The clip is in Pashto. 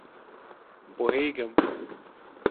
_پوهېږم.